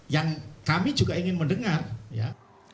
yang kami juga ingin mendengar ya